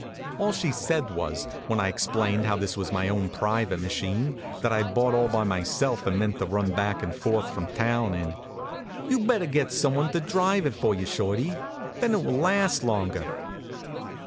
All she said was, when I explained how this was my own private machine, that I d bought all by myself and meant to run back and forth from town in: " You d better get some one to drive it for you, Shorty. Then it will last longer."